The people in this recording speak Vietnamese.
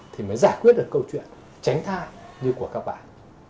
thì mới giải quyết được câu chuyện tránh thai như của các bạn